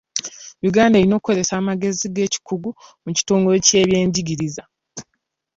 Uganda erina okukozesa amagezi ag'ekikugu mu kitongole ky'ebyenjigiriza.